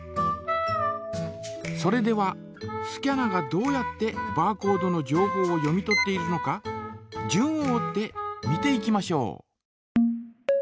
それではスキャナがどうやってバーコードの情報を読み取っているのか順を追って見ていきましょう。